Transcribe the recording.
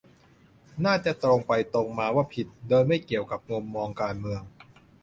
น่าจะตรงไปตรงมาว่าผิด โดยไม่เกี่ยวกับมุมมองการเมือง